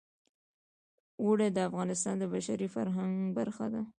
اوړي د افغانستان د بشري فرهنګ برخه ده.